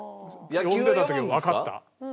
呼んでた時もわかった？